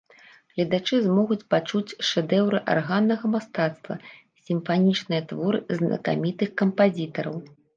Гледачы змогуць пачуць шэдэўры арганнага мастацтва, сімфанічныя творы знакамітых кампазітараў.